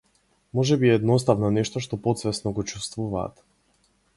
Можеби е едноставно нешто што потсвесно го чувствуваат.